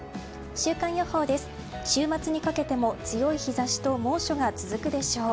週末にかけても強い日差しと猛暑が続くでしょう。